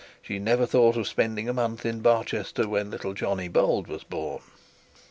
She never thought of spending a month in Barchester when little Johnny Bold was born!